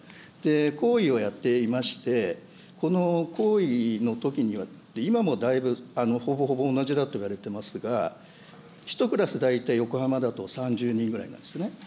校医をやっていまして、この校医のときには、今もだいぶほぼほぼ同じだといわれていますが、１クラス大体、横浜だと３０人ぐらいなんですね。